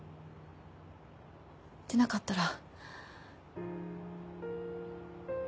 でなかったら。